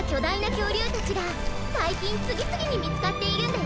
きょうりゅうたちがさいきんつぎつぎにみつかっているんだよ！